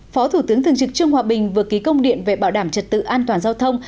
phó thủ tướng thường trực trương hòa bình vừa ký công điện về bảo đảm trật tự an toàn giao thông